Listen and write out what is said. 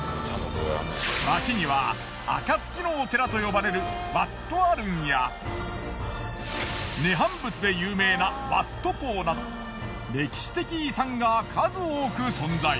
街には暁のお寺と呼ばれるワット・アルンや涅槃仏で有名なワット・ポーなど歴史的遺産が数多く存在。